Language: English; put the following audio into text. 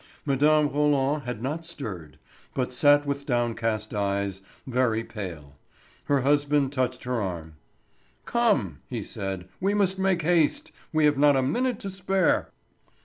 Mme. Roland had not stirred, but sat with downcast eyes, very pale. Her husband touched her arm. "Come," he said, "we must make haste, we have not a minute to spare."